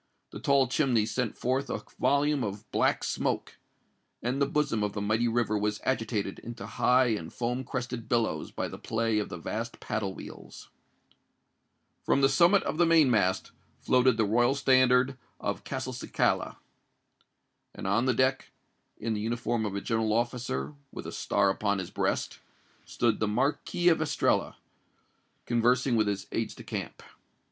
The tall chimney sent forth a volume of black smoke; and the bosom of the mighty river was agitated into high and foam crested billows by the play of the vast paddle wheels. From the summit of the main mast floated the royal standard of Castelcicala. And on the deck, in the uniform of a general officer, and with a star upon his breast, stood the Marquis of Estella, conversing with his aides de camp.